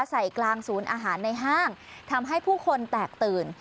กลางศูนย์อาหารในห้างทำให้ผู้คนแตกตื่น